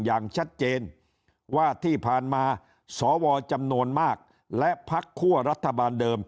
อย่างชัดเจน